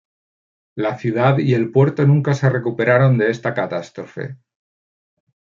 La ciudad y el puerto nunca se recuperaron de esta catástrofe.